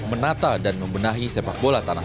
menata dan membenahi sepak bola tanah